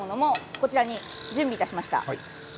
こちらに準備しました。